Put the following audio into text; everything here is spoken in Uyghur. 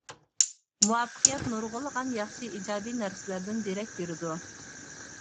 مۇۋەپپەقىيەت نۇرغۇنلىغان ياخشى ئىجابىي نەرسىلەردىن دېرەك بېرىدۇ.